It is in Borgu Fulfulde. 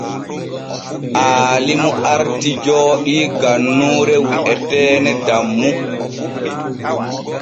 Aalimu arti jooɗii gannuure wi’eteene Dammu.